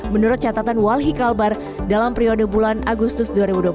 menurut catatan walhi kalbar dalam periode bulan agustus dua ribu dua puluh satu